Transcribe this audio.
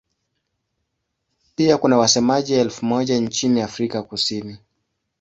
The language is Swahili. Pia kuna wasemaji elfu moja nchini Afrika Kusini.